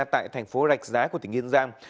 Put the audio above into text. tại thành phố rạch giá của tỉnh yên giang